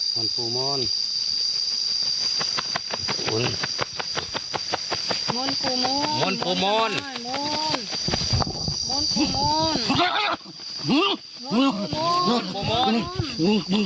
ครั้งสอง